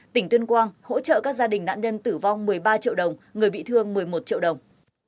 tỉnh tuyên quang hỗ trợ các gia đình nạn nhân tử vong một mươi ba triệu đồng người bị thương một mươi một triệu đồng